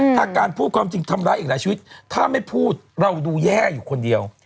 ถ้าการพูดความจริงทำร้ายอีกหลายชีวิตถ้าไม่พูดเราดูแย่อยู่คนเดียว